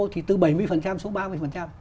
thì từ bảy mươi xuống ba mươi